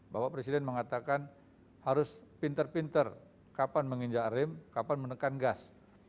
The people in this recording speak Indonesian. bapak presiden mengatakan harus pinter pinter kapan menginjak rem kapan menekan gas